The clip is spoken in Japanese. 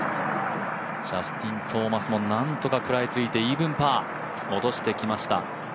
ジャスティン・トーマスもなんとか食らいついてイーブンパー、戻してきました。